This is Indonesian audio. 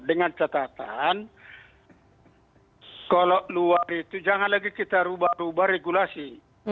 dengan catatan kalau luar itu jangan lagi kita rubah rubah regulasi